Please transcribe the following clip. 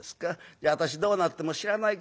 じゃあ私どうなっても知らないことよ』